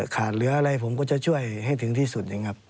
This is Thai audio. ขาดเหลืออะไรผมก็จะช่วยให้ถึงที่สุด